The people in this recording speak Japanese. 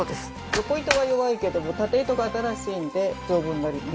緯糸は弱いけども経糸が新しいんで丈夫になります